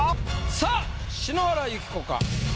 さあ篠原ゆき子か？